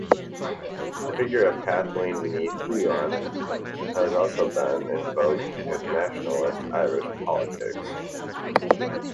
The figure of Kathleen Ni Houlihan has also been invoked in nationalist Irish politics.